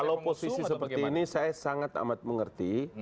kalau posisi seperti ini saya sangat amat mengerti